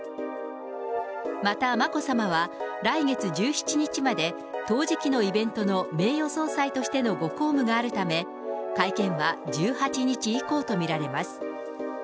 また眞子さまは、来月１７日まで陶磁器のイベントの名誉総裁としてのご公務があるため、会見は１８日以降と見られます。